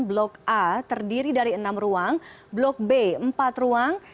blok a terdiri dari enam ruang blok b empat ruang